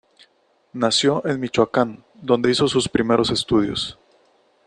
Nació en Michoacán, donde hizo sus primeros estudios.